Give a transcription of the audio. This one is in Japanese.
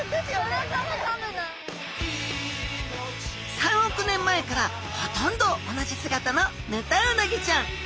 ３億年前からほとんど同じ姿のヌタウナギちゃん。